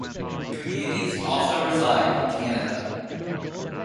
Communities also reside in Canada.